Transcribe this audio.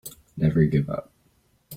Never give up.